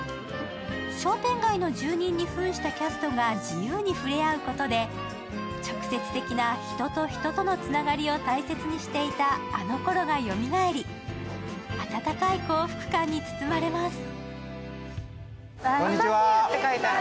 商店街の住人に扮したキャストが自由に触れ合うことで直接的な人と人とのつながりを大切にしていたあのころがよみがえり、温かい幸福感に包まれます。